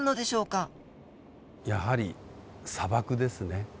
やはり砂漠ですね。